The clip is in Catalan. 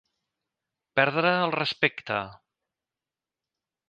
Perdre el respecte.